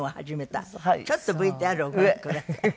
ちょっとＶＴＲをご覧ください。